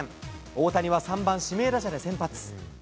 大谷は３番指名打者で先発。